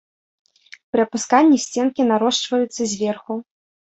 Пры апусканні сценкі нарошчваюцца зверху.